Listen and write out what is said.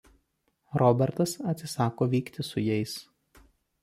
Robertas atsisako vykti su jais.